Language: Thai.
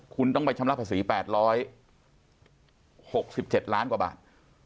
คุณต้องไปชำระภาษี๘๖๗ล้านกว่าบาท